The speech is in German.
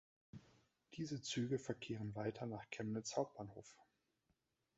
Diese Züge verkehren weiter nach Chemnitz Hbf.